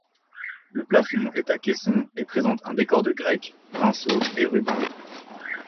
Le plafond est à caissons et présente un décor de grecque, rinceaux et rubans.